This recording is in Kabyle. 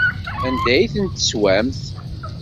Anda ay ten-teswamt?